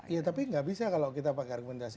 ya tapi gak bisa kalau kita pakai argumentasi